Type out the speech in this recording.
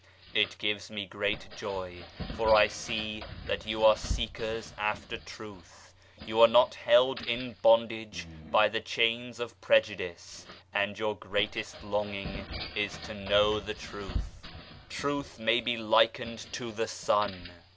It gives me great joy, for I see that you are seekers after Truth. You are not held in bondage by the chains of prejudice, and your greatest longing is to know the Truth. Truth may be likened to the Sun